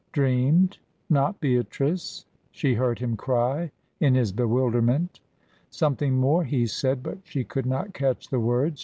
"Dreamed? Not Beatrice?" she heard him cry in his bewilderment. Something more he said, but she could not catch the words.